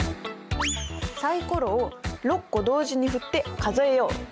サイコロを６個同時に振って数えよう！